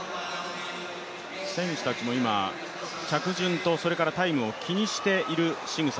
選手たちも今、着順とタイムを気にしているしぐさ。